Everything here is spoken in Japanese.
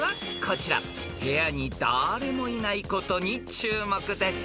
［部屋に誰もいないことに注目です］